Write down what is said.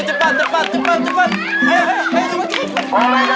jalur kaitan badan kaki aurang